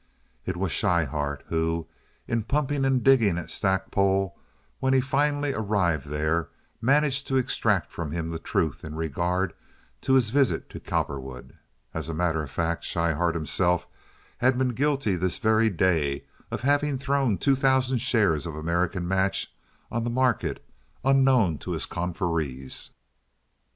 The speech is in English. It was Schryhart who, in pumping and digging at Stackpole when he finally arrived there, managed to extract from him the truth in regard to his visit to Cowperwood. As a matter of fact, Schryhart himself had been guilty this very day of having thrown two thousand shares of American Match on the market unknown to his confreres.